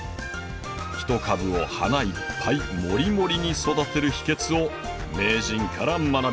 ひと株を花いっぱいモリモリに育てる秘けつを名人から学びます。